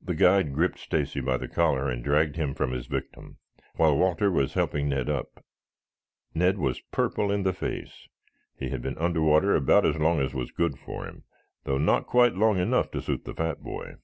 The guide gripped Stacy by the collar and dragged him from his victim, while Walter was helping Ned up. Ned was purple in the face. He had been under water about as long as was good for him, though not quite long enough to suit the fat boy.